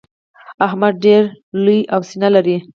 احمد ډېره لو سينه لري.